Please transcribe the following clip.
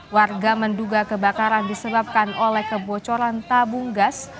warga menduga kebakaran disebabkan oleh kebocoran tabung gas